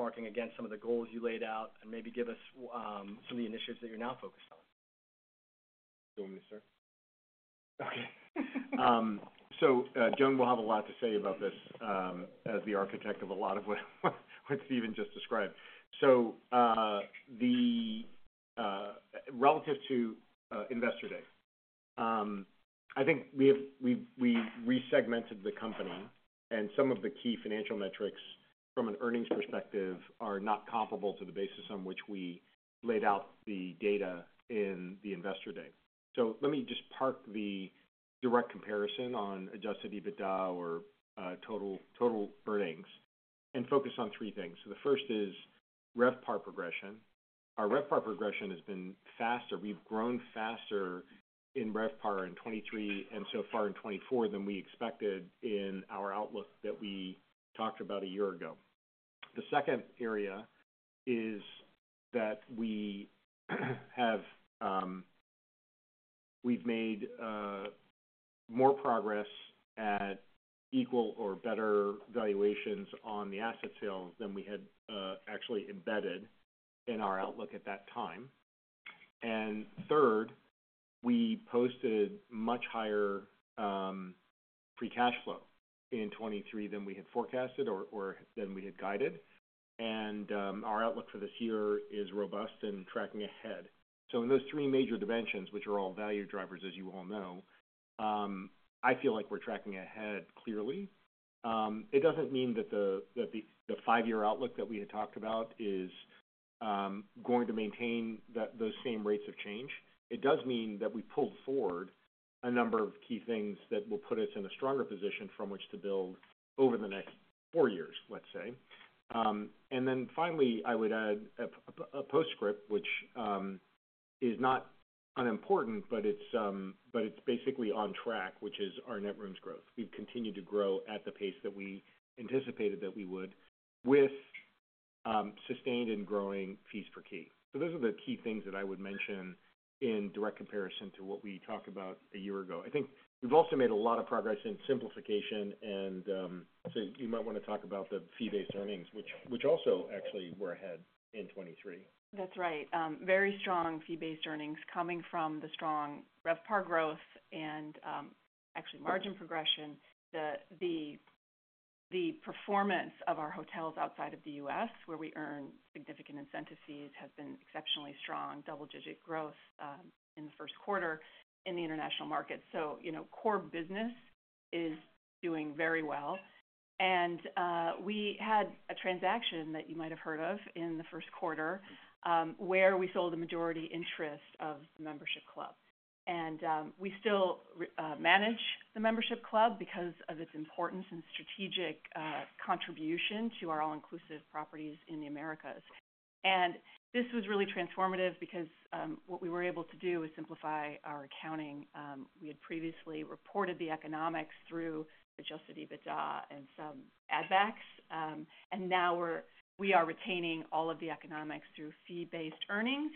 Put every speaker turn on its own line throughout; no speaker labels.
Benchmarking against some of the goals you laid out, and maybe give us some of the initiatives that you're now focused on. Do you want me, sir?
Okay. So, Joan will have a lot to say about this, as the architect of a lot of what Stephen just described. So, the Relative to Investor Day, I think we have—we've re-segmented the company, and some of the key financial metrics from an earnings perspective are not comparable to the basis on which we laid out the data in the Investor Day. So let me just park the direct comparison on Adjusted EBITDA or, total earnings and focus on three things. So the first is RevPAR progression. Our RevPAR progression has been faster. We've grown faster in RevPAR in 2023, and so far in 2024, than we expected in our outlook that we talked about a year ago. The second area is that we've made more progress at equal or better valuations on the asset sales than we had actually embedded in our outlook at that time. And third, we posted much higher free cash flow in 2023 than we had forecasted or than we had guided. And our outlook for this year is robust and tracking ahead. So in those three major dimensions, which are all value drivers, as you all know, I feel like we're tracking ahead clearly. It doesn't mean that the five-year outlook that we had talked about is going to maintain those same rates of change. It does mean that we pulled forward a number of key things that will put us in a stronger position from which to build over the next four years, let's say. And then finally, I would add a postscript, which is not unimportant, but it's basically on track, which is our net rooms growth. We've continued to grow at the pace that we anticipated that we would, with sustained and growing fees per key. So those are the key things that I would mention in direct comparison to what we talked about a year ago. I think we've also made a lot of progress in simplification and, so you might want to talk about the Fee-Based Earnings, which also actually were ahead in 2023.
That's right. Very strong fee-based earnings coming from the strong RevPAR growth and, actually margin progression. The performance of our hotels outside of the U.S., where we earn significant incentive fees, has been exceptionally strong. Double-digit growth in the first quarter in the international market. So you know, core business is doing very well. And, we had a transaction that you might have heard of in the first quarter, where we sold a majority interest of the membership club. And, we still manage the membership club because of its importance and strategic contribution to our all-inclusive properties in the Americas. And this was really transformative because, what we were able to do is simplify our accounting. We had previously reported the economics through adjusted EBITDA and some add backs, and now we are retaining all of the economics through fee-based earnings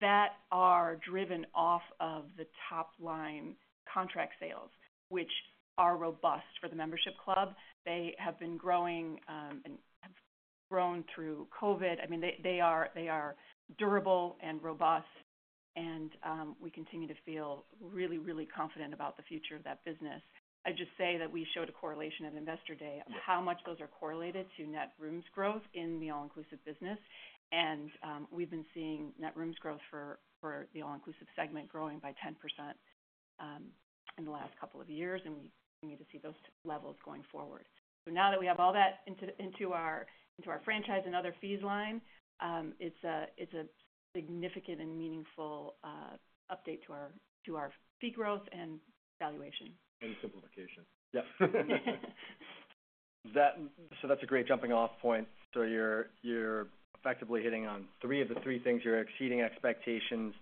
that are driven off of the top line contract sales, which are robust for the membership club. They have been growing, and have grown through COVID. I mean, they, they are, they are durable and robust, and, we continue to feel really, really confident about the future of that business. I'd just say that we showed a correlation at Investor Day of how much those are correlated to net rooms growth in the all-inclusive business. And, we've been seeing net rooms growth for the all-inclusive segment growing by 10%, in the last couple of years, and we continue to see those levels going forward. So now that we have all that into our franchise and other fees line, it's a significant and meaningful update to our fee growth and valuation.
And simplification. Yep.
So that's a great jumping off point. So you're effectively hitting on three of the three things. You're exceeding expectations.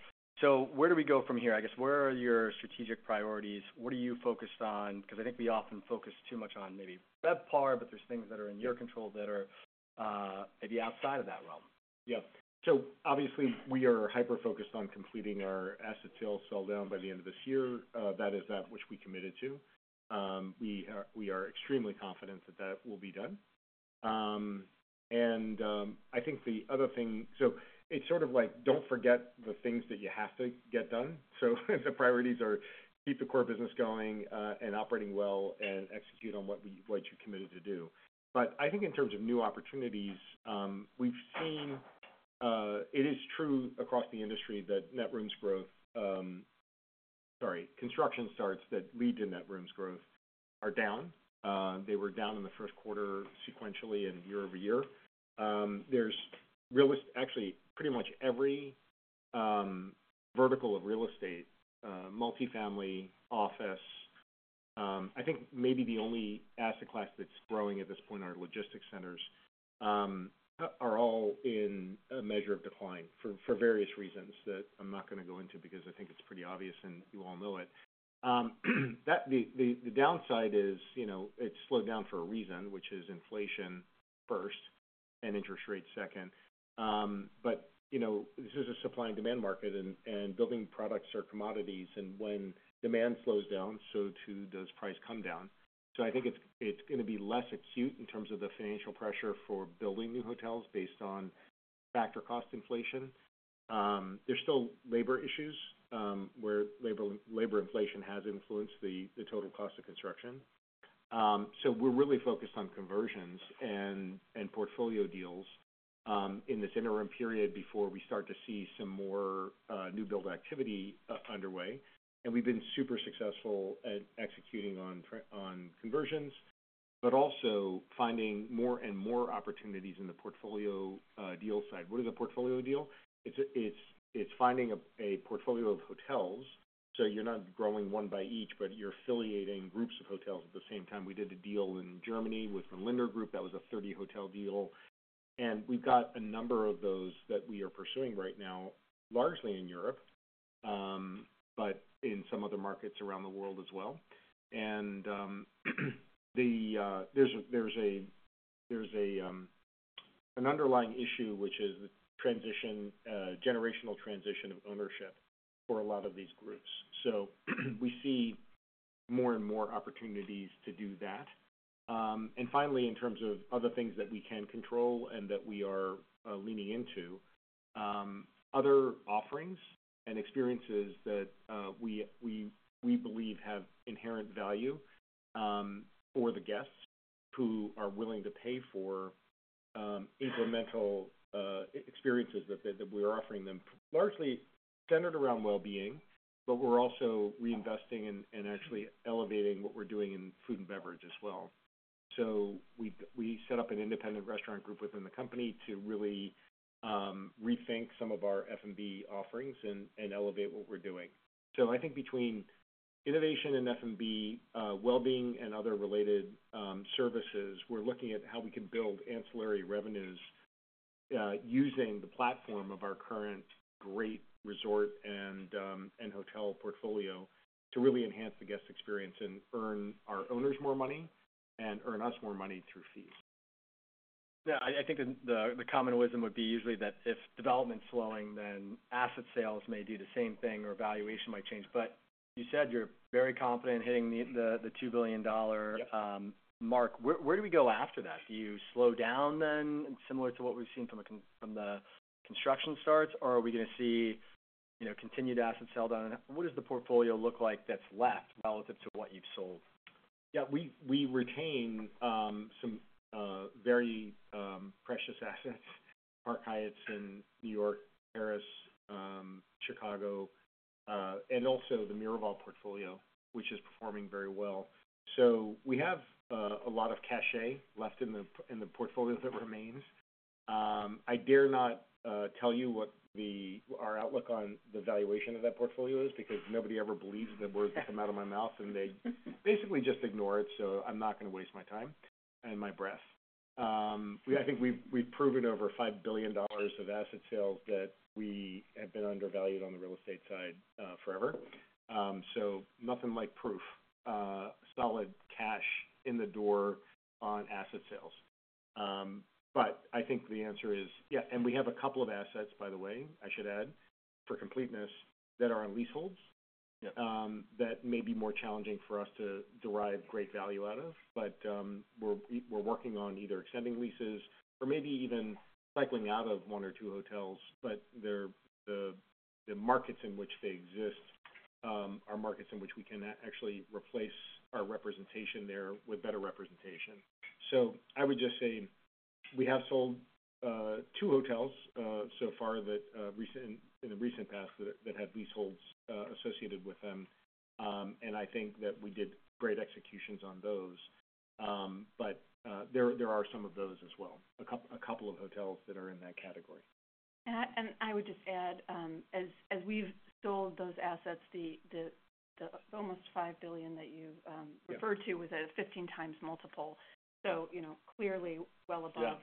So where do we go from here? I guess, where are your strategic priorities? What are you focused on? Because I think we often focus too much on maybe RevPAR, but there's things that are in your control that are maybe outside of that realm.
Yep. So obviously, we are hyper-focused on completing our asset sale, sell down by the end of this year. That is that which we committed to. We are, we are extremely confident that that will be done. And I think the other thing. So it's sort of like, don't forget the things that you have to get done. So the priorities are keep the core business going, and operating well and execute on what we, what you committed to do. But I think in terms of new opportunities, we've seen, it is true across the industry that net rooms growth. Sorry, construction starts that lead to net rooms growth are down. They were down in the first quarter sequentially and year-over-year. There's real estate - actually, pretty much every vertical of real estate, multifamily, office. I think maybe the only asset class that's growing at this point are logistics centers are all in a measure of decline for various reasons that I'm not going to go into, because I think it's pretty obvious and you all know it. The downside is, you know, it's slowed down for a reason, which is inflation first and interest rates second. But, you know, this is a supply and demand market, and building products are commodities, and when demand slows down, so too does price come down. So I think it's going to be less acute in terms of the financial pressure for building new hotels based on factor cost inflation. There's still labor issues, where labor inflation has influenced the total cost of construction. So we're really focused on conversions and portfolio deals in this interim period before we start to see some more new build activity underway. And we've been super successful at executing on conversions, but also finding more and more opportunities in the portfolio deal side. What is a portfolio deal? It's finding a portfolio of hotels, so you're not growing one by each, but you're affiliating groups of hotels at the same time. We did a deal in Germany with the Lindner Group, that was a 30-hotel deal. And we've got a number of those that we are pursuing right now, largely in Europe, but in some other markets around the world as well. There's an underlying issue, which is the generational transition of ownership for a lot of these groups. So we see more and more opportunities to do that. And finally, in terms of other things that we can control and that we are leaning into, other offerings and experiences that we believe have inherent value for the guests who are willing to pay for incremental experiences that we are offering them, largely centered around well-being, but we're also reinvesting and actually elevating what we're doing in food and beverage as well. So we set up an independent restaurant group within the company to really rethink some of our F&B offerings and elevate what we're doing. So I think between innovation in F&B, well-being, and other related services, we're looking at how we can build ancillary revenues, using the platform of our current great resort and hotel portfolio to really enhance the guest experience and earn our owners more money and earn us more money through fees.
Yeah, I think the common wisdom would be usually that if development's slowing, then asset sales may do the same thing, or valuation might change. But you said you're very confident hitting the $2 billion. Mark. Where do we go after that? Do you slow down then, similar to what we've seen from the construction starts, or are we going to see, you know, continued asset sell down? What does the portfolio look like that's left relative to what you've sold?
Yeah, we retain some very precious assets, Park Hyatt in New York, Paris, Chicago, and also the Miraval portfolio, which is performing very well. So we have a lot of cachet left in the portfolio that remains. I dare not tell you what the—our outlook on the valuation of that portfolio is, because nobody ever believes the words that come out of my mouth, and they basically just ignore it, so I'm not going to waste my time and my breath. We—I think we've proven over $5 billion of asset sales that we have been undervalued on the real estate side, forever. So nothing like proof, solid cash in the door on asset sales. But I think the answer is, yeah, and we have a couple of assets, by the way, I should add, for completeness, that are on leaseholds.
Yeah
That may be more challenging for us to derive great value out of. But, we're working on either extending leases or maybe even cycling out of one or two hotels, but they're the markets in which they exist, are markets in which we can actually replace our representation there with better representation. So I would just say we have sold two hotels so far that recently in the recent past had leaseholds associated with them. And I think that we did great executions on those. But, there are some of those as well, a couple of hotels that are in that category.
I would just add, as we've sold those assets, the almost $5 billion that you, yeah, referred to was a 15x multiple. So, you know, clearly well above-
Yeah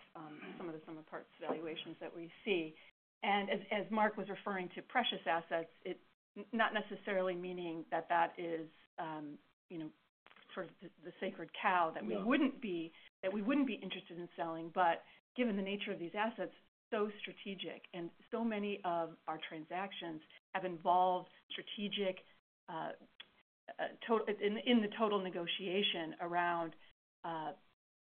-some of the similar parts valuations that we see. And as Mark was referring to, precious assets, not necessarily meaning that that is, you know, sort of the sacred cow-
Yeah.
-that we wouldn't be interested in selling. But given the nature of these assets, so strategic and so many of our transactions have involved strategic, in the total negotiation around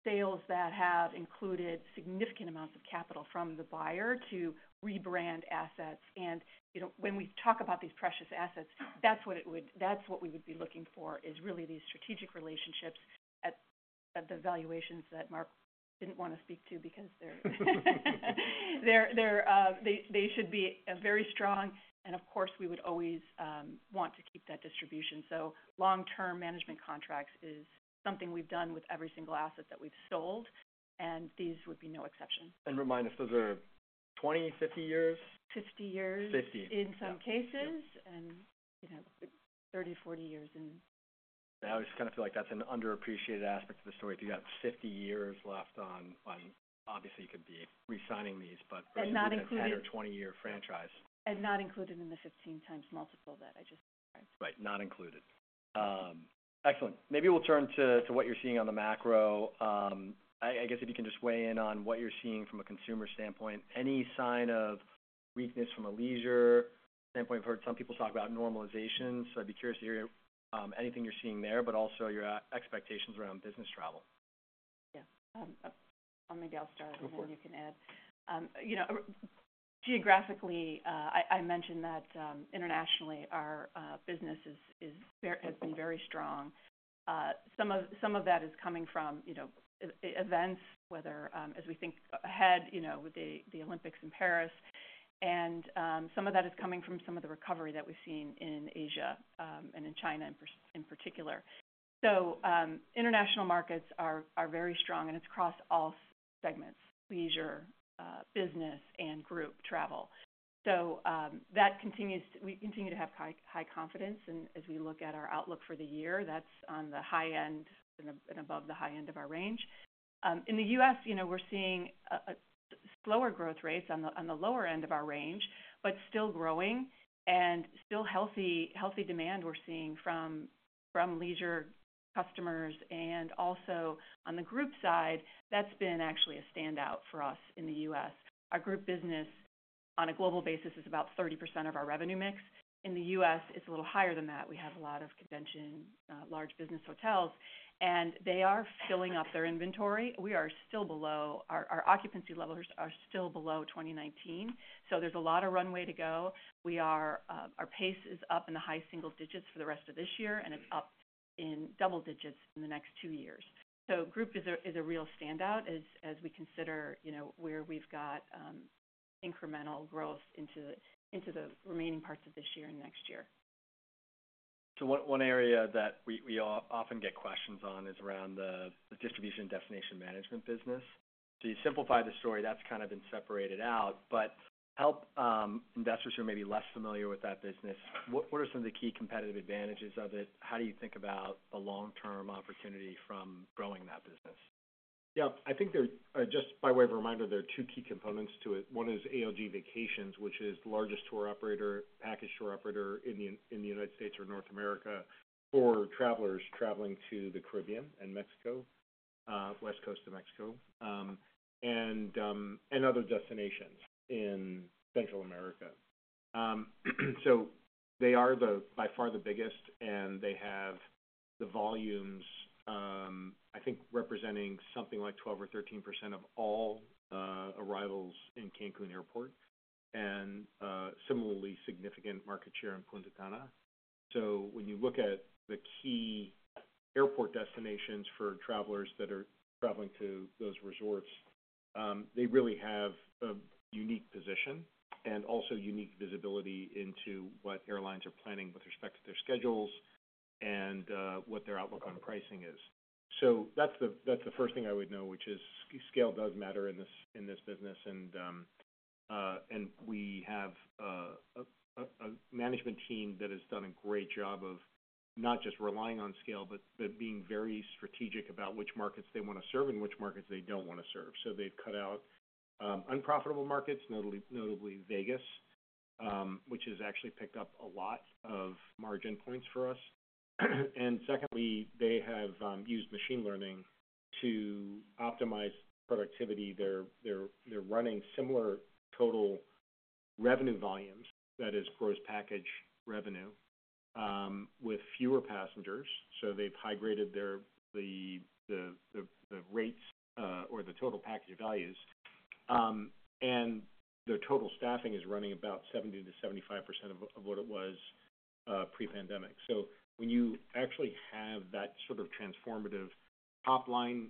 sales that have included significant amounts of capital from the buyer to rebrand assets. And, you know, when we talk about these precious assets, that's what we would be looking for, is really these strategic relationships at the valuations that Mark didn't want to speak to because they're, they should be very strong, and of course, we would always want to keep that distribution. So long-term management contracts is something we've done with every single asset that we've sold, and these would be no exception.
Remind us, those are 20-50 years?
50 years-
50.
-in some cases.
Yeah.
You know, 30-40 years.
I always kind of feel like that's an underappreciated aspect of the story. If you have 50 years left on. Obviously, you could be resigning these, but-
And not included.
- 10 or 20-year franchise.
Not included in the 15x multiple that I just mentioned.
Right, not included. Excellent. Maybe we'll turn to what you're seeing on the macro. I guess if you can just weigh in on what you're seeing from a consumer standpoint, any sign of weakness from a leisure standpoint? I've heard some people talk about normalization, so I'd be curious to hear anything you're seeing there, but also your expectations around business travel.
Yeah. Maybe I'll start, and then you can add. You know, geographically, I mentioned that, internationally, our business is, has been very strong. Some of that is coming from, you know, events, whether as we think ahead, you know, with the Olympics in Paris, and some of that is coming from some of the recovery that we've seen in Asia, and in China in particular. So, international markets are very strong, and it's across all segments: leisure, business, and group travel. So, that continues, we continue to have high confidence, and as we look at our outlook for the year, that's on the high end and above the high end of our range. In the U.S., you know, we're seeing a slower growth rates on the lower end of our range, but still growing and still healthy demand we're seeing from leisure customers and also on the group side, that's been actually a standout for us in the U.S. Our group business, on a global basis, is about 30% of our revenue mix. In the U.S., it's a little higher than that. We have a lot of convention large business hotels, and they are filling up their inventory. We are still below 2019. Our occupancy levels are still below 2019, so there's a lot of runway to go. Our pace is up in the high single digits for the rest of this year, and it's up in double digits in the next two years. Group is a real standout as we consider, you know, where we've got incremental growth into the remaining parts of this year and next year.
So one area that we often get questions on is around the distribution and destination management business. To simplify the story, that's kind of been separated out, but help investors who are maybe less familiar with that business, what are some of the key competitive advantages of it? How do you think about the long-term opportunity from growing that business?
Yeah, I think there, just by way of a reminder, there are two key components to it. One is ALG Vacations, which is the largest tour operator, package tour operator in the, in the United States or North America, for travelers traveling to the Caribbean and Mexico, West Coast of Mexico, and other destinations in Central America. So they are the, by far, the biggest, and they have the volumes, I think, representing something like 12% or 13% of all arrivals in Cancun Airport, and similarly significant market share in Punta Cana. So when you look at the key airport destinations for travelers that are traveling to those resorts, they really have a unique position and also unique visibility into what airlines are planning with respect to their schedules and, what their outlook on pricing is. So that's the first thing I would know, which is scale does matter in this business, and we have a management team that has done a great job of not just relying on scale, but being very strategic about which markets they want to serve and which markets they don't want to serve. So they've cut out unprofitable markets, notably Vegas, which has actually picked up a lot of margin points for us. And secondly, they have used machine learning to optimize productivity. They're running similar total revenue volumes, that is gross package revenue, with fewer passengers. So they've high-graded their rates or the total package values, and their total staffing is running about 70%-75% of what it was pre-pandemic. So when you actually have that sort of transformative top line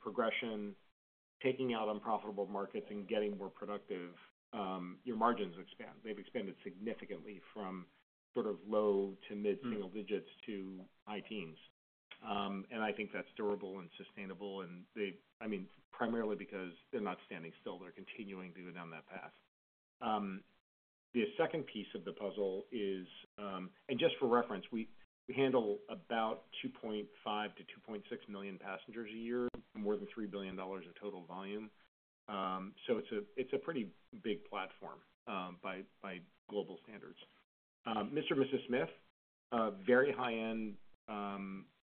progression, taking out unprofitable markets and getting more productive, your margins expand. They've expanded significantly from sort of low to mid single digits to high teens. And I think that's durable and sustainable, and they, I mean, primarily because they're not standing still. They're continuing to go down that path. The second piece of the puzzle is, and just for reference, we handle about 2.5-2.6 million passengers a year, more than $3 billion in total volume. So it's a pretty big platform, by global standards. Mr & Mrs Smith, a very high-end,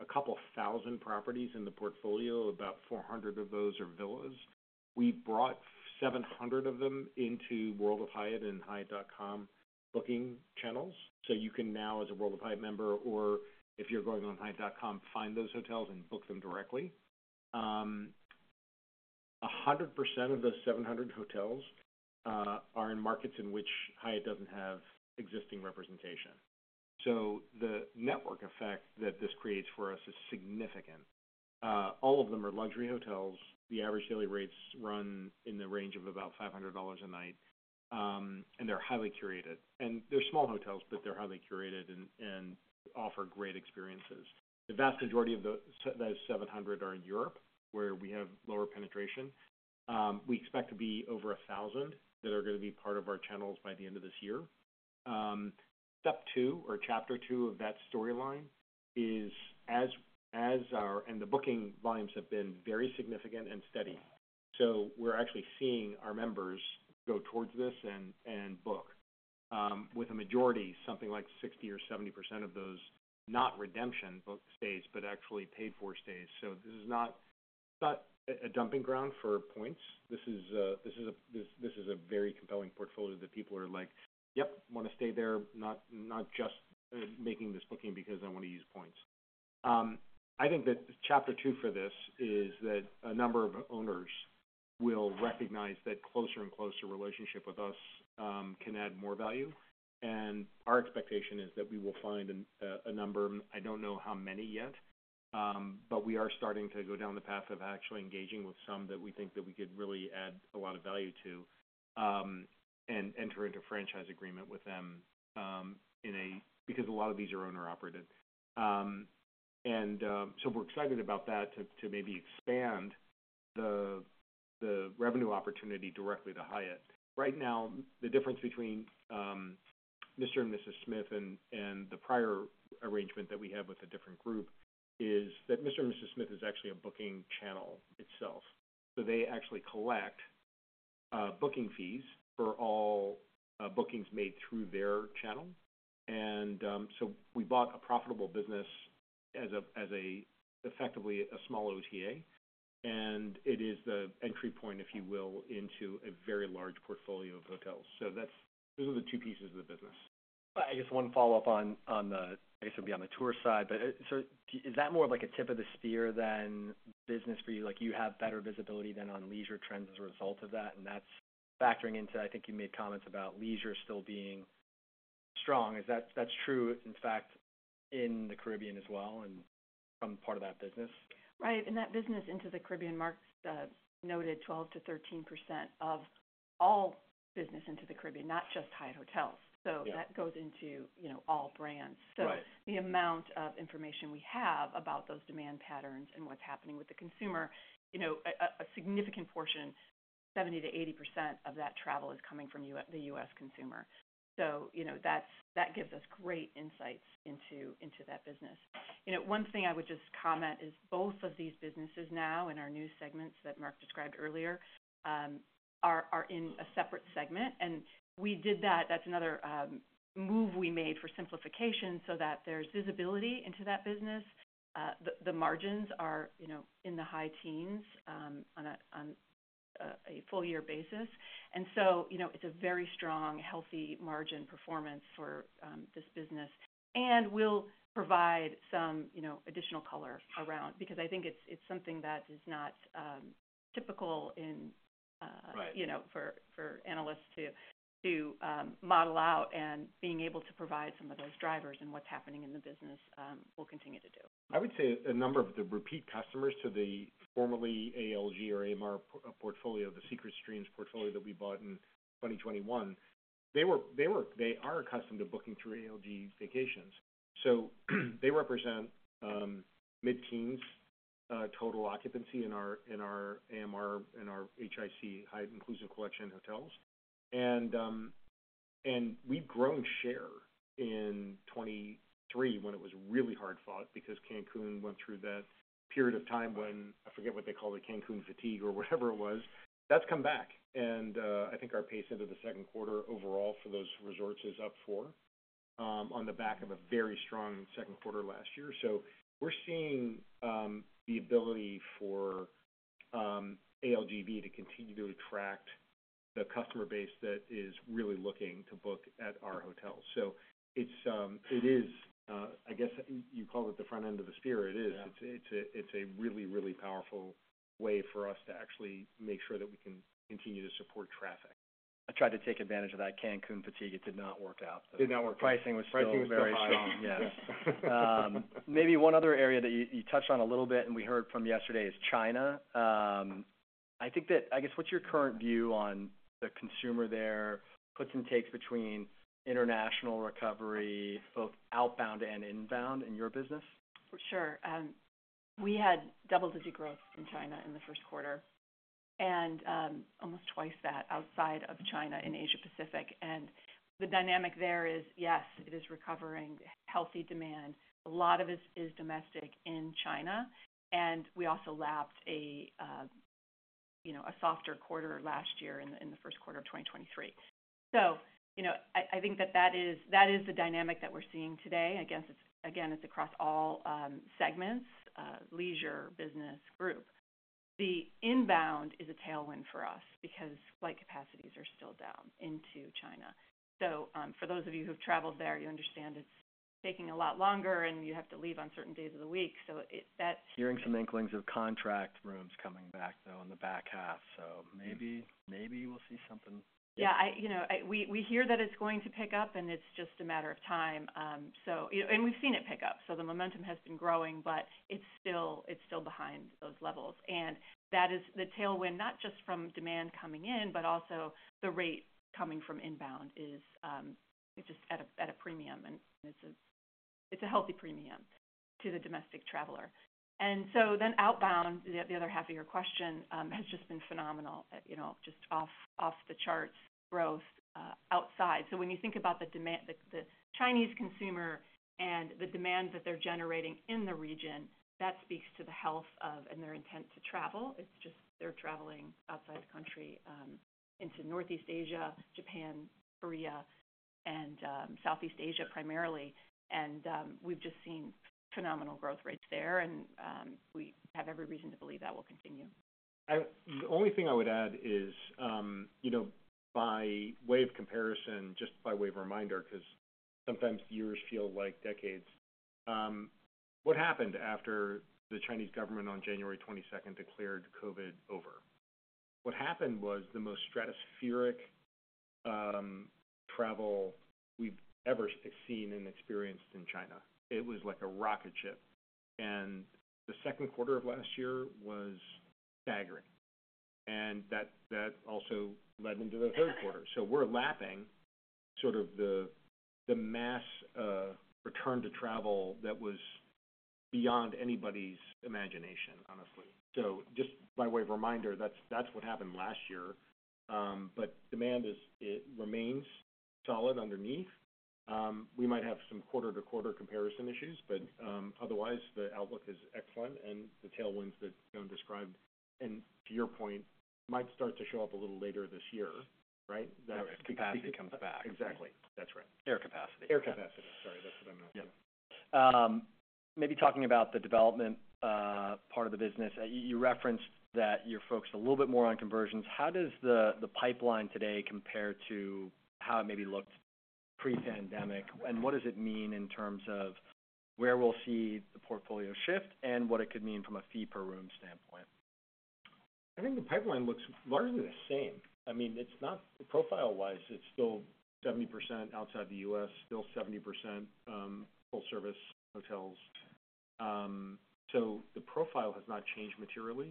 a couple of thousand properties in the portfolio, about 400 of those are villas. We brought 700 of them into World of Hyatt and hyatt.com booking channels, so you can now, as a World of Hyatt member, or if you're going on Hyatt.com, find those hotels and book them directly. A hundred percent of those 700 hotels are in markets in which Hyatt doesn't have existing representation. So the network effect that this creates for us is significant. All of them are luxury hotels. The average daily rates run in the range of about $500 a night, and they're highly curated. And they're small hotels, but they're highly curated and offer great experiences. The vast majority of those 700 are in Europe, where we have lower penetration. We expect to be over 1,000 that are going to be part of our channels by the end of this year. Step two or chapter two of that storyline is, as our and the booking volumes have been very significant and steady. So we're actually seeing our members go towards this and book with a majority, something like 60 or 70% of those, not redemption book stays, but actually paid for stays. So this is not a dumping ground for points. This is a very compelling portfolio that people are like, "Yep, want to stay there, not just making this booking because I want to use points." I think that chapter two for this is that a number of owners will recognize that closer and closer relationship with us can add more value. Our expectation is that we will find an, a number, I don't know how many yet, but we are starting to go down the path of actually engaging with some that we think that we could really add a lot of value to, and enter into a franchise agreement with them, because a lot of these are owner-operated. And, so we're excited about that to, to maybe expand the, the revenue opportunity directly to Hyatt. Right now, the difference between, Mr & Mrs Smith and, and the prior arrangement that we have with a different group is that Mr. & Mrs. Smith is actually a booking channel itself. So they actually collect, booking fees for all, bookings made through their channel. So we bought a profitable business as, effectively, a small OTA, and it is the entry point, if you will, into a very large portfolio of hotels. So that's, those are the two pieces of the business.
I guess one follow-up on the, I guess, it'll be on the tour side, but, so is that more of like a tip of the spear than business for you? Like, you have better visibility than on leisure trends as a result of that, and that's factoring into, I think you made comments about leisure still being strong. Is that, that's true, in fact, in the Caribbean as well and some part of that business?
Right. And that business into the Caribbean, Mark, noted 12%-13% of all business into the Caribbean, not just Hyatt Hotels.
Yeah.
That goes into, you know, all brands.
Right.
So the amount of information we have about those demand patterns and what's happening with the consumer, you know, a significant portion, 70%-80% of that travel is coming from the U.S. consumer. So, you know, that gives us great insights into that business. You know, one thing I would just comment is both of these businesses now, in our new segments that Mark described earlier, are in a separate segment, and we did that. That's another move we made for simplification so that there's visibility into that business. The margins are, you know, in the high teens, on a full year basis. And so, you know, it's a very strong, healthy margin performance for this business. And we'll provide some, you know, additional color around because I think it's, it's something that is not typical in.
Right.
You know, for analysts to model out and being able to provide some of those drivers and what's happening in the business, we'll continue to do.
I would say a number of the repeat customers to the formerly ALG or AMR portfolio, the Secret Streams portfolio that we bought in 2021, they are accustomed to booking through ALG Vacations, so they represent mid-teens total occupancy in our AMR, in our HIC, Hyatt Inclusive Collection hotels. We've grown share in 2023, when it was really hard fought because Cancun went through that period of time when, I forget what they call it, Cancun fatigue or whatever it was, that's come back. I think our pace into the second quarter overall for those resorts is up 4 on the back of a very strong second quarter last year. So we're seeing the ability for ALG to continue to attract the customer base that is really looking to book at our hotel. So it's it is I guess you call it the front end of the spear. It is.
Yeah.
It's a really, really powerful way for us to actually make sure that we can continue to support traffic.
I tried to take advantage of that Cancún fatigue. It did not work out, though.
Did not work out.
Pricing was still very strong.
Pricing was still very high.
Yeah. Maybe one other area that you touched on a little bit, and we heard from yesterday is China. I think that I guess, what's your current view on the consumer there, puts and takes between international recovery, both outbound and inbound in your business?
For sure. We had double-digit growth in China in the first quarter, and almost twice that outside of China in Asia Pacific. And the dynamic there is, yes, it is recovering healthy demand. A lot of it is domestic in China, and we also lapped a, you know, a softer quarter last year in the first quarter of 2023. So, you know, I, I think that that is, that is the dynamic that we're seeing today. I guess, it's again, it's across all segments, leisure, business, group. The inbound is a tailwind for us because flight capacities are still down into China. So, for those of you who've traveled there, you understand it's taking a lot longer, and you have to leave on certain days of the week.
Hearing some inklings of contract rooms coming back, though, in the back half, so maybe, maybe we'll see something.
Yeah, you know, we hear that it's going to pick up, and it's just a matter of time. So, you know, we've seen it pick up, so the momentum has been growing, but it's still behind those levels. And that is the tailwind, not just from demand coming in, but also the rate coming from inbound is just at a premium, and it's a healthy premium to the domestic traveler. And so then outbound, the other half of your question, has just been phenomenal, you know, just off the charts growth outside. So when you think about the demand, the Chinese consumer and the demand that they're generating in the region, that speaks to the health of and their intent to travel. It's just they're traveling outside the country, into Northeast Asia, Japan, Korea, and Southeast Asia, primarily. And, we've just seen phenomenal growth rates there, and, we have every reason to believe that will continue.
I, the only thing I would add is, you know, by way of comparison, just by way of reminder, 'cause sometimes years feel like decades. What happened after the Chinese government on January twenty-second declared COVID over? What happened was the most stratospheric travel we've ever seen and experienced in China. It was like a rocket ship, and the second quarter of last year was staggering, and that, that also led into the third quarter. So we're lapping sort of the, the mass return to travel that was beyond anybody's imagination, honestly. So just by way of reminder, that's, that's what happened last year. But demand is - it remains solid underneath. We might have some quarter-to-quarter comparison issues, but, otherwise, the outlook is excellent and the tailwinds that Joan described, and to your point, might start to show up a little later this year, right?
Right, capacity comes back.
Exactly. That's right.
Air capacity.
Air capacity. Sorry, that's what I meant.
Yeah. Maybe talking about the development part of the business. You referenced that you're focused a little bit more on conversions. How does the pipeline today compare to how it maybe looked pre-pandemic, and what does it mean in terms of where we'll see the portfolio shift and what it could mean from a fee-per-room standpoint?
I think the pipeline looks largely the same. I mean, it's not, profile-wise, it's still 70% outside the U.S., still 70%, full-service hotels. So the profile has not changed materially.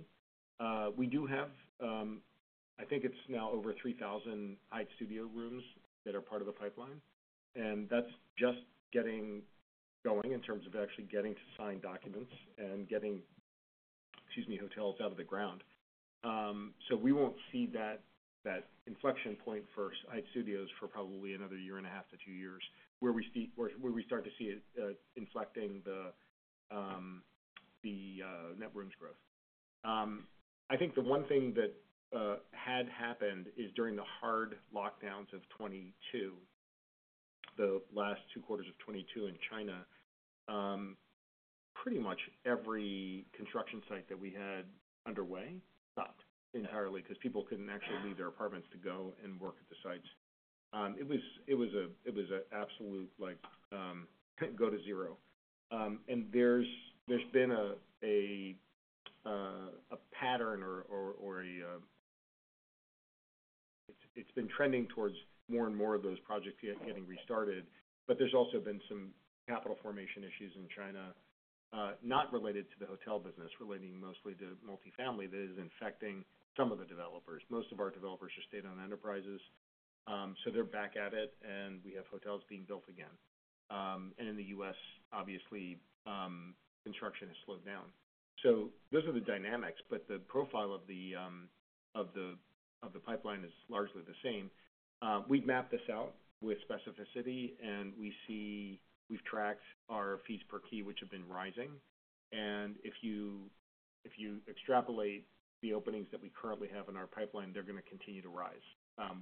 We do have, I think it's now over 3,000 Hyatt Studios rooms that are part of the pipeline, and that's just getting going in terms of actually getting to sign documents and getting, excuse me, hotels out of the ground. So we won't see that inflection point for Hyatt Studios for probably another year and a half to two years, where we start to see it inflecting the net rooms growth. I think the one thing that had happened is during the hard lockdowns of 2022, the last two quarters of 2022 in China, pretty much every construction site that we had underway stopped entirely because people couldn't actually leave their apartments to go and work at the sites. It was an absolute, like, go to zero. And there's been a pattern or it's been trending towards more and more of those projects getting restarted, but there's also been some capital formation issues in China, not related to the hotel business, relating mostly to multifamily. That is infecting some of the developers. Most of our developers are state-owned enterprises, so they're back at it, and we have hotels being built again. And in the U.S., obviously, construction has slowed down. So those are the dynamics, but the profile of the pipeline is largely the same. We've mapped this out with specificity, and we see, we've tracked our fees per key, which have been rising. And if you extrapolate the openings that we currently have in our pipeline, they're going to continue to rise.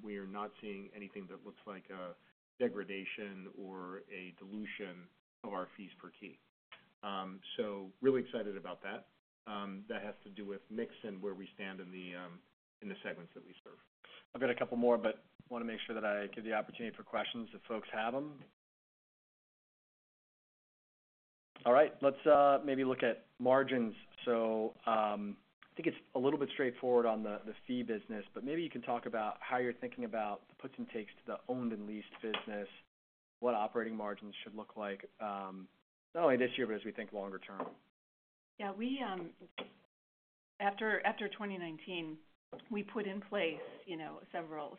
We are not seeing anything that looks like a degradation or a dilution of our fees per key. So really excited about that. That has to do with mix and where we stand in the segments that we serve.
I've got a couple more, but want to make sure that I give the opportunity for questions if folks have them. All right, let's maybe look at margins. So, I think it's a little bit straightforward on the fee business, but maybe you can talk about how you're thinking about the puts and takes to the owned and leased business, what operating margins should look like, not only this year, but as we think longer term.
Yeah, we, after 2019, we put in place, you know, several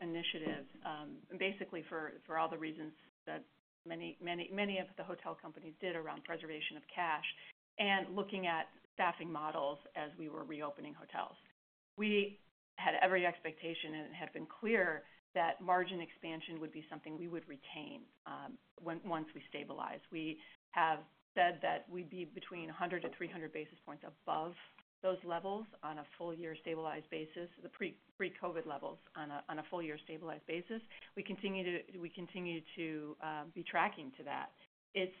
initiatives, basically for all the reasons that many, many, many of the hotel companies did around preservation of cash and looking at staffing models as we were reopening hotels. We had every expectation, and it had been clear that margin expansion would be something we would retain, once we stabilize. We have said that we'd be between 100-300 basis points above those levels on a full-year stabilized basis, the pre-COVID levels on a full-year stabilized basis. We continue to be tracking to that. It's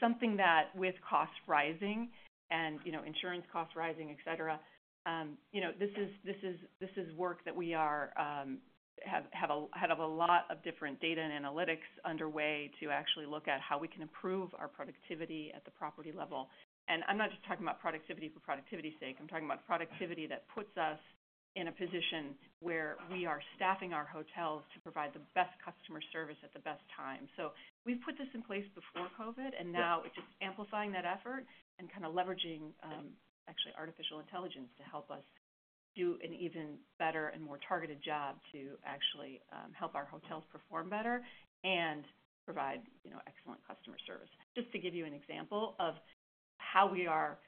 something that with costs rising and, you know, insurance costs rising, et cetera, you know, this is work that we have a lot of different data and analytics underway to actually look at how we can improve our productivity at the property level. And I'm not just talking about productivity for productivity's sake. I'm talking about productivity that puts us in a position where we are staffing our hotels to provide the best customer service at the best time. So we've put this in place before COVID, and now it's just amplifying that effort and kind of leveraging actually artificial intelligence to help us do an even better and more targeted job to actually help our hotels perform better and provide, you know, excellent customer service. Just to give you an example of how we are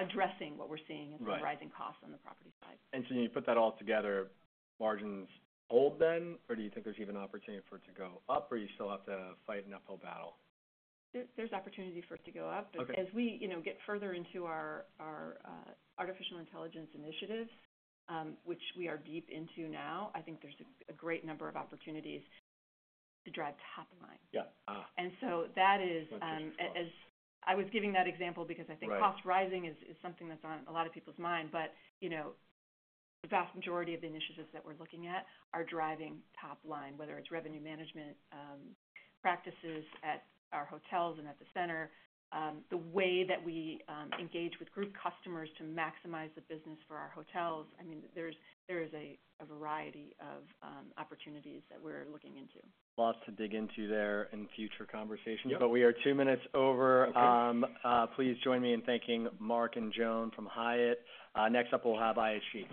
addressing what we're seeing-
Right
-in terms of rising costs on the property side.
And so you put that all together, margins hold then? Or do you think there's even opportunity for it to go up, or you still have to fight an uphill battle?
There's opportunity for it to go up.
Okay.
As we, you know, get further into our artificial intelligence initiatives, which we are deep into now, I think there's a great number of opportunities to drive top line.
Yeah. Ah.
And so that is,
Okay.
As I was giving that example because I think-
Right.
-cost rising is something that's on a lot of people's mind, but, you know, the vast majority of the initiatives that we're looking at are driving top line, whether it's revenue management practices at our hotels and at the center, the way that we engage with group customers to maximize the business for our hotels. I mean, there's a variety of opportunities that we're looking into.
Lots to dig into there in future conversations.
Yep.
We are two minutes over.
Okay.
Please join me in thanking Mark and Joan from Hyatt. Next up, we'll have IHG.